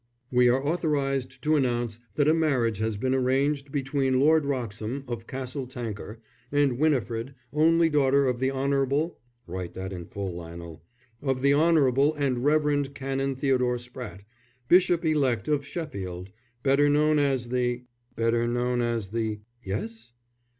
"We are authorized to announce that a marriage has been arranged between Lord Wroxham, of Castle Tanker, and Winifred, only daughter of the Honourable, (write that in full, Lionel,) of the Honourable and Reverend Canon Theodore Spratte, bishop elect of Sheffield; better known as the " "Better known as the yes?"